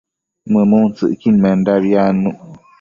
mëmuntsëcquidmendabi adnuc